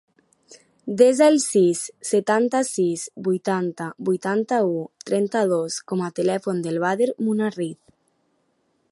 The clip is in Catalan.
Desa el sis, setanta-sis, vuitanta, vuitanta-u, trenta-dos com a telèfon del Badr Munarriz.